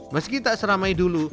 meski tak seramai dulu